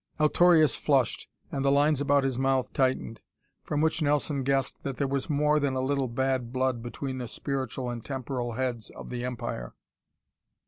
Altorius flushed and the lines about his mouth tightened, from which Nelson guessed that there was more than a little bad blood between the spiritual and temporal heads of the empire.